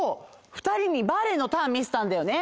二人にバレエのターン見せたんだよね。